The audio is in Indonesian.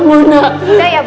tunggu di luar aja yuk